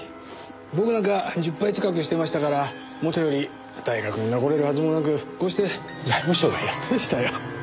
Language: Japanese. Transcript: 僕なんか十敗近くしてましたからもとより大学に残れるはずもなくこうして財務省がやっとでしたよ。